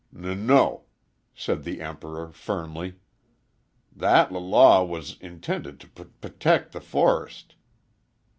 "N no," said the Emperor, firmly. "That l law was intended to p protect the forest."